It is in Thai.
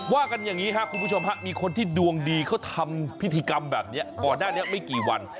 กันอย่างนี้ครับคุณผู้ชมฮะมีคนที่ดวงดีเขาทำพิธีกรรมแบบนี้ก่อนหน้านี้ไม่กี่วัน